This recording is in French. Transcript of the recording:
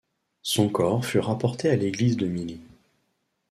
Son corps fut rapporté à l'église de Milly.